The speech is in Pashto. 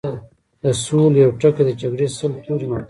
د سولې يو ټکی د جګړې سل تورې ماتوي